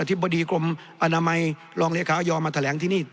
ธิบดีกรมอนามัยรองเลขาอยมาแถลงที่นี่